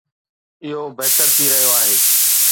اهو بهتر ٿي رهيو آهي.